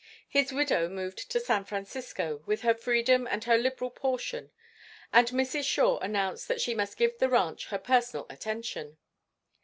His widow moved to San Francisco with her freedom and her liberal portion, and Mrs. Shore announced that she must give the ranch her personal attention.